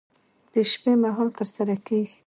د شپې مهال ترسره کېږي.